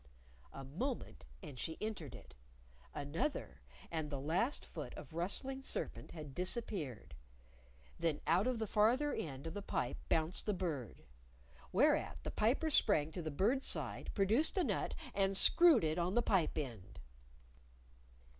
A moment, and she entered it; another, and the last foot of rustling serpent had disappeared. Then out of the farther end of the pipe bounced the Bird. Whereat the Piper sprang to the Bird's side, produced a nut, and screwed it on the pipe end.